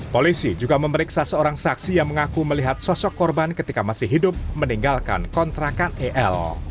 polisi juga memeriksa seorang saksi yang mengaku melihat sosok korban ketika masih hidup meninggalkan kontrakan el